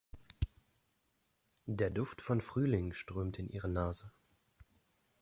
Der Duft von Frühling strömte in ihre Nase.